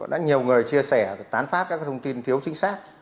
đã nhiều người chia sẻ và tán phát các thông tin thiếu chính xác